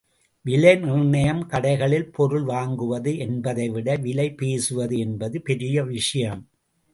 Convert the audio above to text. விலை நிர்ணயம் கடைகளில் பொருள் வாங்குவது என்பதைவிட விலை பேசுவது என்பது பெரிய விஷயம்.